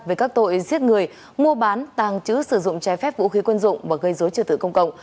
về các tội giết người mua bán tàng trữ sử dụng trái phép vũ khí quân dụng và gây dối trật tự công cộng